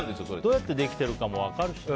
どうやってできてるかも分かるしね。